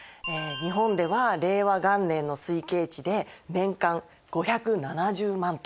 日本では令和元年の推計値で年間５７０万ｔ。